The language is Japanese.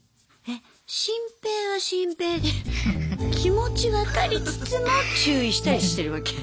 シンペイはシンペイで気持ち分かりつつも注意したりしてるわけ？